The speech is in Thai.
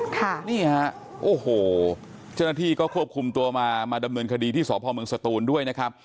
เจ้าหน้าที่ก็ควบคุมตัวมาดำเนินคดีที่สอบภัยเมืองสตูนด้วยนะครับ